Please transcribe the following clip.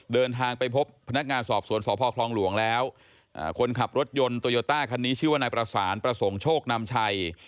เดินทางไปพบพนักงานสอบสวนสพคลองหลวงแล้วคนขับรถยนต์โตโยต้าคันนี้ชื่อว่านายประสานประสงค์โชคนำชัย